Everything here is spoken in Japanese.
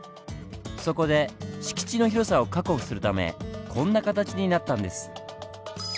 そこで敷地の広さを確保するためこんな形になったんです。